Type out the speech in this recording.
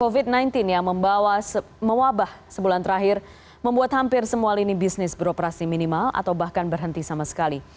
covid sembilan belas yang mewabah sebulan terakhir membuat hampir semua lini bisnis beroperasi minimal atau bahkan berhenti sama sekali